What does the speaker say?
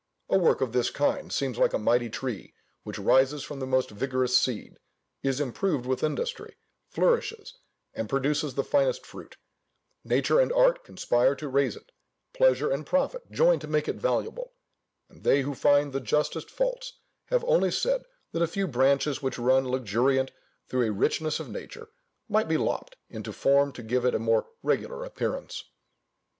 A work of this kind seems like a mighty tree, which rises from the most vigorous seed, is improved with industry, flourishes, and produces the finest fruit: nature and art conspire to raise it; pleasure and profit join to make it valuable: and they who find the justest faults, have only said that a few branches which run luxuriant through a richness of nature, might be lopped into form to give it a more regular appearance.